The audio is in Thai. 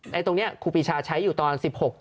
ในตรงนี้ครูพิชาใช้อยู่ตอน๑๖๓๖๑๖๓๙